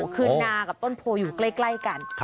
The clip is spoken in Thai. คือนากับต้นโพอยู่ใกล้กัน